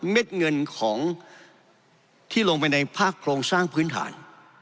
เด็ดเงินของที่ลงไปในภาคโครงสร้างพื้นฐาน